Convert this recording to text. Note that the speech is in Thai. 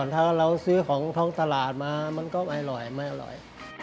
ถ้าเราซื้อของท่องตลาดมามันก็ไม่อร่อย